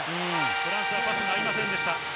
フランスはパスが合いませんでした。